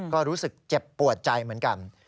ก็รู้สึกเจ็บปวดใจเหมือนกัน